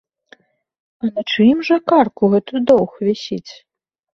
А на чыім жа карку гэты доўг вісіць?